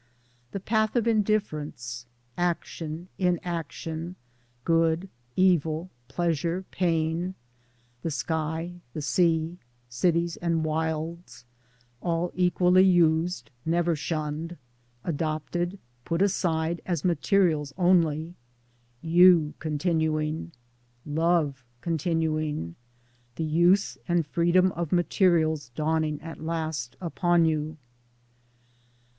The path of Indifference — action, inaction, good, evil, pleasure, pain, the sky, the sea, cities and wilds — all equally used (never shunned), adopted, put aside, as materials only ; you continuing, love continuing — the use and freedom of materials dawning at last upon you.